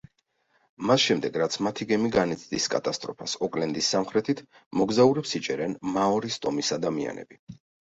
მას შემდეგ, რაც მათი გემი განიცდის კატასტროფას ოკლენდის სამხრეთით, მოგზაურებს იჭერენ მაორის ტომის ადამიანები.